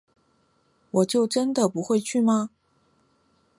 我就真的不会去吗